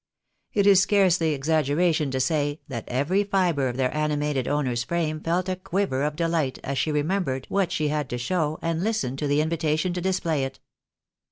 It is scarcely exaggeration to say, that every fibre of their animated owner's frame felt a quiver of deUght as she remembered what she had to show, and listened to the invitation to display it.